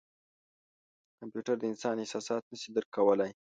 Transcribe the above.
کمپیوټر د انسان احساسات نه شي درک کولای.